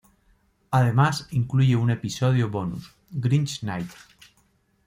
Además incluye un episodio bonus: "Grinch Night".